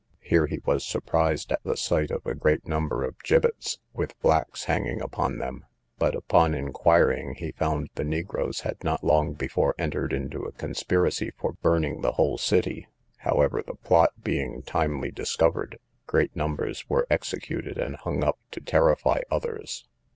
Here he was surprised at the sight of a great number of gibbets, with blacks hanging upon them; but, upon inquiring, he found the negroes had not long before entered into a conspiracy for burning the whole city; however, the plot being timely discovered, great numbers were executed and hung up to terrify others.